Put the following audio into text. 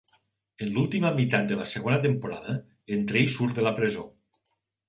En l'última meitat de la segona temporada, en Trey surt de la presó.